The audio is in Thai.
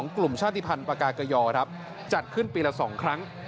พระอธิพันธ์ปรากาเกยอจัดขึ้นปีละสองครั้ง